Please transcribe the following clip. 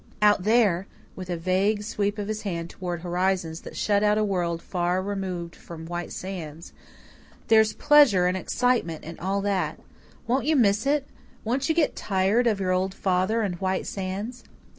Out there" with a vague sweep of his hand towards horizons that shut out a world far removed from White Sands "there's pleasure and excitement and all that. Won't you miss it? Won't you get tired of your old father and White Sands?"